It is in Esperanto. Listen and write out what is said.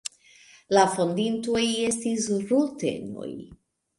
La fondintoj estis rutenoj.